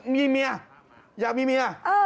มีเมียอยากมีเมีย